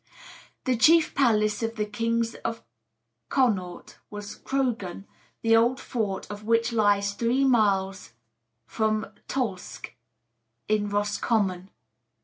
The chief palace of the kings of Connaught was Croghan, the old fort of which lies three miles from Tulsk in Roscommon.